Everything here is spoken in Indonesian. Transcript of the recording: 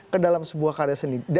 ke dalam sebuah karya seni